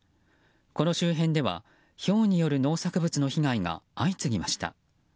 この周辺では、ひょうによる農作物の被害が相次ぎました。